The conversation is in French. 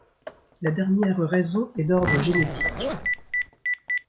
La dernière raison est d'ordre génétique.